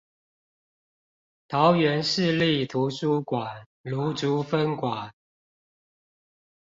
桃園市立圖書館蘆竹分館